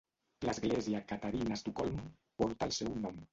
L'església Katarina a Estocolm porta el seu nom.